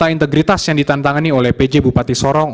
fakta integritas yang ditantangani oleh pj bupati sorong